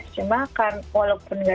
cuma akan walaupun gak